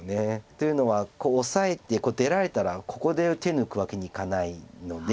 っていうのはオサえて出られたらここで手抜くわけにいかないので。